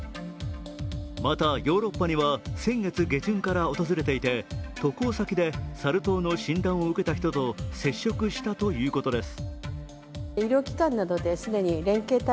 また、ヨーロッパには先月下旬から訪れていて渡航先でサル痘の診断を受けた人と接触したということです。